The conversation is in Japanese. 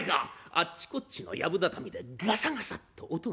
あっちこっちのやぶ畳でガサガサッと音がする。